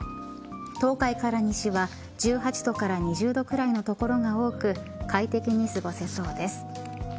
東海から西は１８度から２０度くらいの所が多く快適に過ごせそうです。